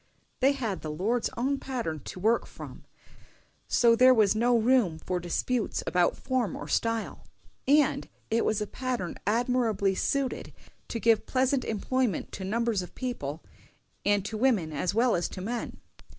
They had the Lord's own pattern to work from, so there was no room for disputes about form or style; and it was a pattern admirably suited to give pleasant employment to numbers of people, and to women as well as to men.